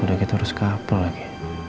udah kita harus couple aja